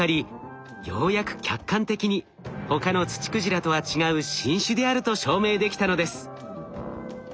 ようやく客観的に他のツチクジラとは違う新種であると証明できたのです。